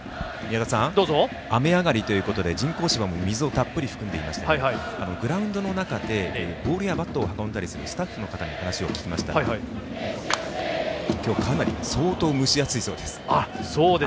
雨上がりということで人工芝も水をたっぷり含んでいましてグラウンドの中でボールやバットを運んだりするスタッフの方に話を聞きましたら今日、かなり相当、蒸し暑いそうです。